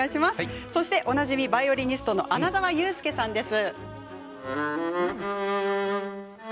おなじみバイオリニストの穴澤雄介さんです。